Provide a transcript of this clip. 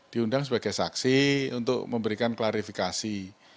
diundang sebagai saksi untuk memberikan klarifikasi